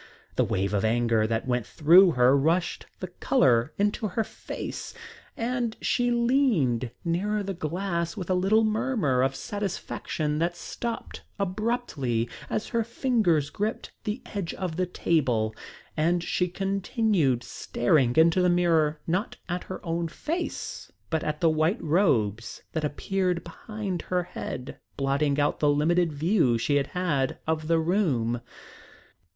The wave of anger that went through her rushed the colour into her face and she leaned nearer the glass with a little murmur of satisfaction that stopped abruptly as her fingers gripped the edge of the table, and she continued staring into the mirror not at her own face, but at the white robes that appeared behind her head, blotting out the limited view she had had of the room.